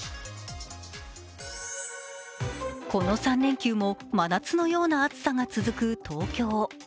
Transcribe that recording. この３連休も真夏のような暑さが続く東京。